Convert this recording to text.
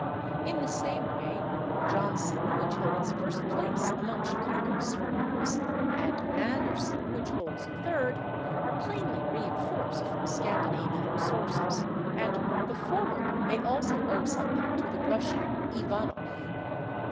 In the same way /Johnson/, which holds first place among Chicago surnames, and /Anderson/, which holds third, are plainly reinforced from Scandinavian sources, and the former may also owe something to the Russian /Ivanof